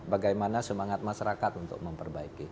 bagaimana semangat masyarakat untuk memperbaiki